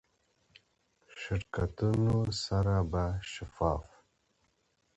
شرکتونو سره به شفاف،